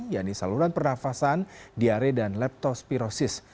yaitu saluran pernafasan diare dan leptospirosis